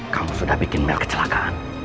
kamu sudah bikin mel kecelakaan